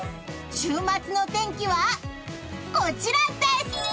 週末の天気は、こちらです！